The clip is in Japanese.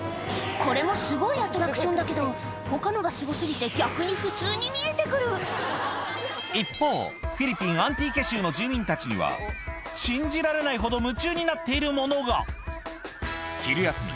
これもすごいアトラクションだけど他のがすご過ぎて逆に普通に見えて来る一方の住民たちには信じられないほど夢中になっているものが昼休み